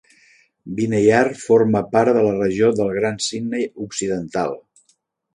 Vineyard forma part de la regió del Gran Sydney Occidental.